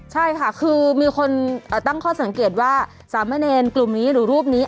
ใช่ค่ะคือมีคนตั้งข้อสังเกตว่าสามเณรกลุ่มนี้หรือรูปนี้